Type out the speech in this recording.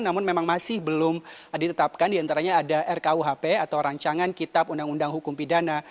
namun memang masih belum ditetapkan diantaranya ada rkuhp atau rancangan kitab undang undang hukum pidana